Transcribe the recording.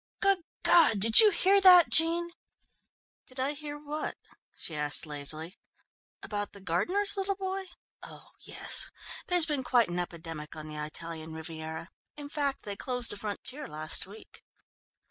Good God, did you hear that, Jean?" "Did I hear what?" she asked lazily, "about the gardener's little boy? Oh, yes. There has been quite an epidemic on the Italian Riviera, in fact they closed the frontier last week."